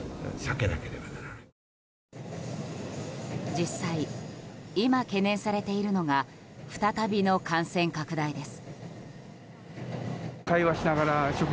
実際、今懸念されているのが再びの感染拡大です。